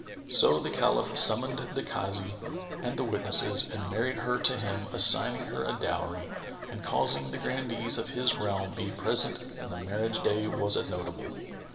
So the Caliph summoned the Kazi and the witneses and married her to him assigning her a dowry and causing the Grandees of his realm be present and the marriage day was a notable.